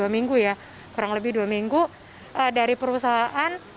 dua minggu ya kurang lebih dua minggu dari perusahaan